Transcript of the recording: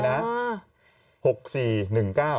๖๔นี่นะ